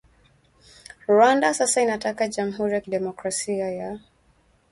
Rwanda sasa inataka jamhuri ya kidemokrasia ya